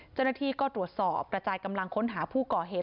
เจ้าหน้าที่ก็ตรวจสอบกระจายกำลังค้นหาผู้ก่อเหตุ